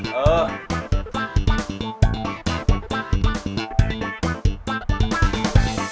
ชื่อฟอยแต่ไม่ใช่แฟง